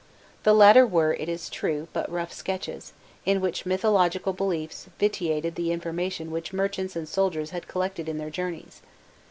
The latter were, it is true, but rough sketches, in which mythological beliefs vitiated the information which merchants and soldiers had collected in their journeys.